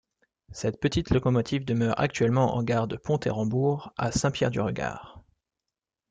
Cette petite locomotive demeure actuellement en gare de Pont-Érambourg, à Saint-Pierre-du-Regard.